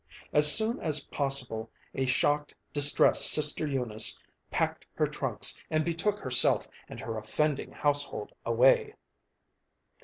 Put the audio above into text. As soon as possible a shocked, distressed Sister Eunice packed her trunks and betook herself and her offending household away.